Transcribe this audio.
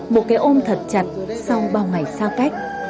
một cái ôm thật chặt sau bao ngày xa cách